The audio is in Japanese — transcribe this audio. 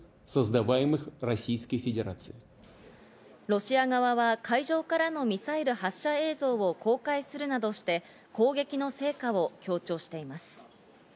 ロシア側は海上からのミサイル発射映像を公開するなどして攻撃の成果を強調しています。